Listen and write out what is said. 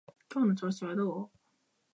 今日の調子はどう？